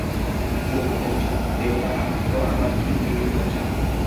দিয়ে তো ফেলেছ, দেবতার হাত থেকে আবার কি ফিরিয়ে নিতে চাও?